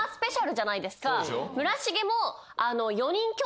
村重も。